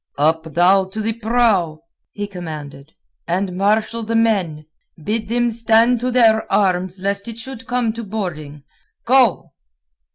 "Up thou to the prow," he commanded, "and marshal the men. Bid them stand to their arms lest it should come to boarding. Go!"